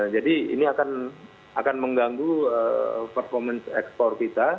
jadi ini akan mengganggu performance export kita